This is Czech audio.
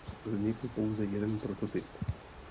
Vznikl pouze jeden prototyp.